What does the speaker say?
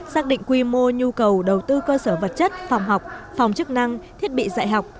xác định quy mô nhu cầu đầu tư cơ sở vật chất phòng học phòng chức năng thiết bị dạy học